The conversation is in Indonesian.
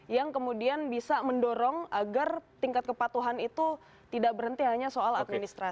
yang kemudian bisa mendorong agar tingkat kepatuhan itu tidak berhenti hanya soal administrasi